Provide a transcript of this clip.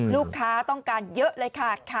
ลูกค้าต้องการเยอะเลยค่ะ